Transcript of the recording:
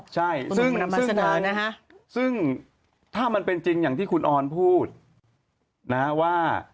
ใช่ซึ่งถ้ามันเป็นจริงอย่างที่คุณออนพูดนะว่า